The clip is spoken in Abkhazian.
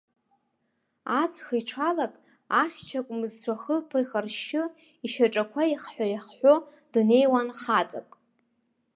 Аҵх иҽалак, ахьча кәмызцәа хылԥа ихаршьшьы, ишьаҿақәа еихҳәа-еихҳәо днеиуан хаҵак.